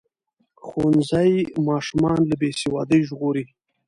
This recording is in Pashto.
ښوونځی ماشومان له بې سوادۍ ژغوري.